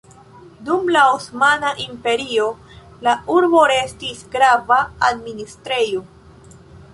Dum la Osmana Imperio la urbo restis grava administrejo.